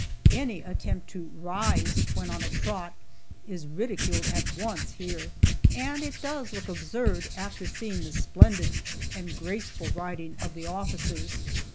Any attempt to "rise" when on a trot is ridiculed at once here, and it does look absurd after seeing the splendid and graceful riding of the officers.